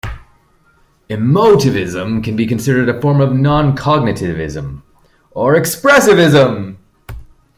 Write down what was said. Emotivism can be considered a form of non-cognitivism or expressivism.